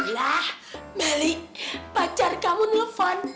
lah melly pacar kamu nelfon